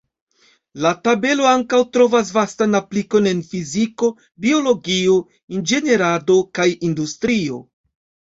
La tabelo ankaŭ trovas vastan aplikon en fiziko, biologio, inĝenierado kaj industrio.